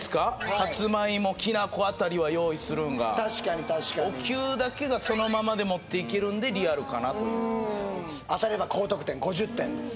さつまいもきな粉あたりは用意するんがお灸だけがそのままで持っていけるんでリアルかなという当たれば高得点５０点です